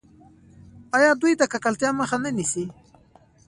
آیا دوی د ککړتیا مخه نه نیسي؟